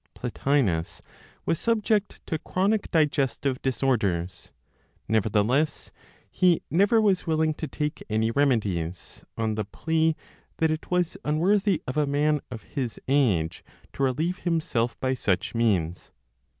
Plotinos was subject to chronic digestive disorders; nevertheless, he never was willing to take any remedies, on the plea that it was unworthy of a man of his age to relieve himself by such means.